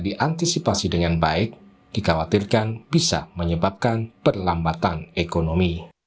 diantisipasi dengan baik dikhawatirkan bisa menyebabkan perlambatan ekonomi